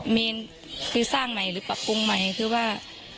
เมนคือสร้างใหม่หรือปรับปรุงใหม่คือว่า